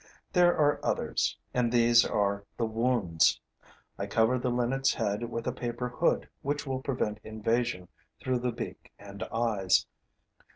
There are others; and these are the wounds. I cover the linnet's head with a paper hood which will prevent invasion through the beak and eyes.